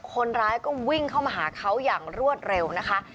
คนร้ายก็วิ่งเข้ามาหาเขาอย่างรวดเร็วนะคะ